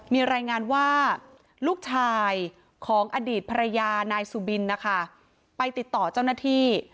มีรายงานว่าลูกชายของอดีตภรรยานายสุบินนะคะไปติดต่อเจ้าหน้าที่